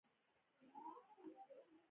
مينې په خندني آواز وویل دا یې لا بله څه ده